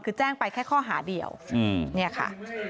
คือแจ้งไปแค่ข้อหาเดียวเนี่ยค่ะ